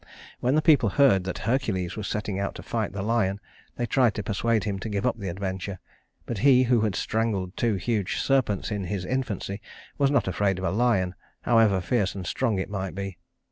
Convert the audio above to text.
When the people heard that Hercules was setting out to fight the lion, they tried to persuade him to give up the adventure; but he, who had strangled two huge serpents in his infancy, was not afraid of a lion, however fierce and strong it might be.